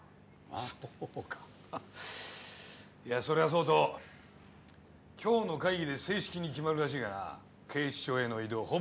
それはそうと今日の会議で正式に決まるらしいがな警視庁への異動